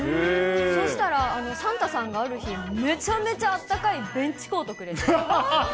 そうしたら、サンタさんがある日、めちゃめちゃ暖かいベンチコートくれて。